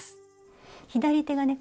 左手がね